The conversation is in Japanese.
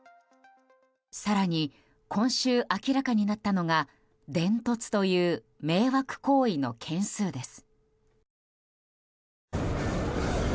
更に今週明らかになったのが電凸という迷惑行為の件数です。